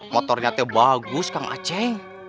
motornya tuh bagus kang aceh